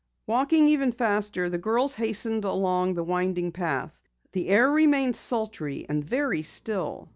Walking even faster, the girls hastened along the winding path. The air remained sultry and very still.